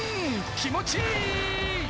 気持ちいい！